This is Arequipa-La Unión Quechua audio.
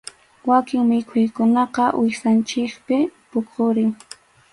Wakin mikhuykunaqa wiksanchikpi puqurin.